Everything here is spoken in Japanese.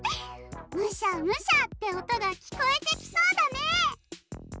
ムシャムシャっておとがきこえてきそうだね。